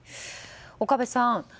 岡部さん